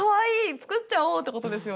作っちゃおう！ってことですよね。